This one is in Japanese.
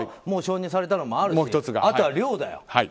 もう承認されたのもあるしあとは量だよ。